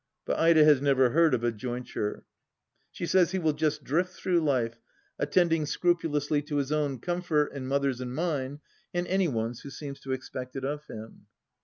But Ida has never heard of a jointure), she says he will just drift through life, attending scrupulously to his own comfort and Mother's and mine and any one's who seems to expect it of him.